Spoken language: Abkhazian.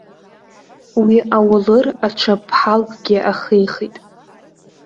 Уи ауалыр аҽа ԥҳалкгьы ахихит.